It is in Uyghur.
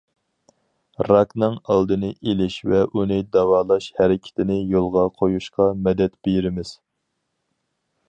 راكنىڭ ئالدىنى ئېلىش ۋە ئۇنى داۋالاش ھەرىكىتىنى يولغا قويۇشقا مەدەت بېرىمىز.